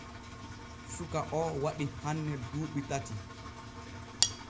Suka o waɗi hanne duuɓi tati.